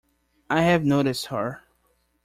I have noticed her.